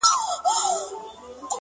دغه جلال او دا جمال د زلفو مه راوله”